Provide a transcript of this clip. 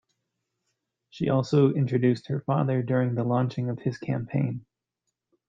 She also introduced her father during the launching of his campaign.